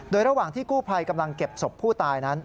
โดยระหว่างที่กู้ภัยกำลังเก็บศพผู้ตายนั้น